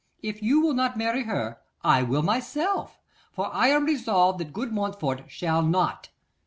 If you will not marry her, I will myself, for I am resolved that good Montfort shall not.